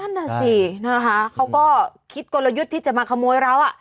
น่าสินะคะเขาก็คิดกลยุทธ์ที่จะมาขโมยเรา